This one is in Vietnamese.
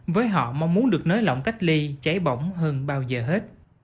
với họ mong muốn được nới lỏng cách ly cháy bỏng hơn bao giờ hết